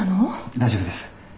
大丈夫です。